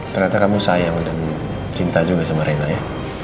ternyata kamu sayang dan cinta juga sama rena ya